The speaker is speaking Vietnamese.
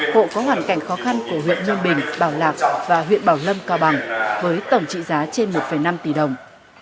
hộ có hoàn cảnh khó khăn của huyện nhân bình bảo lạc và huyện bảo lâm cao bằng với tổng trị giá trên một năm tỷ đồng